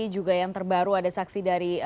juga yang terbaru ada saksi dari